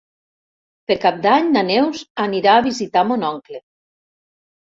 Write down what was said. Per Cap d'Any na Neus anirà a visitar mon oncle.